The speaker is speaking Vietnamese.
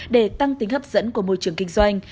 để tăng tính hấp dẫn của môi trường kinh doanh